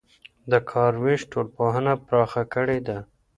د کار وېش ټولنپوهنه پراخه کړې ده.